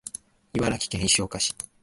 茨城県石岡市